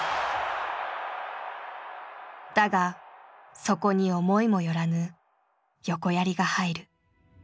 だがそこに思いも寄らぬ横やりが入る。